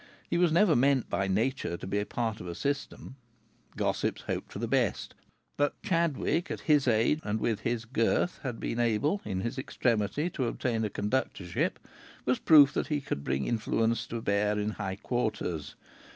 He was never meant by nature to be part of a system. Gossips hoped for the best. That Chadwick, at his age and with his girth, had been able, in his extremity, to obtain a conductorship was proof that he could bring influences to bear in high quarters.